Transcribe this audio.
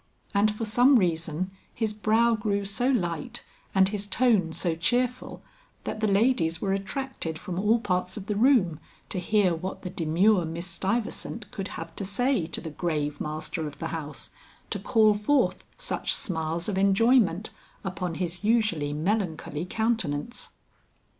And for some reason his brow grew so light and his tone so cheerful that the ladies were attracted from all parts of the room to hear what the demure Miss Stuyvesant could have to say to the grave master of the house, to call forth such smiles of enjoyment upon his usually melancholy countenance.